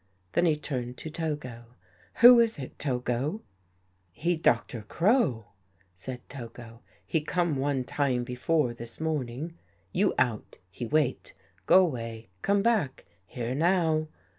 Then he turned to Togo. " Who is it, Togo? "'' He Doctor Crow," said Togo. " He come one time before this morning. You out. He wait. Go way. Come back. Here now."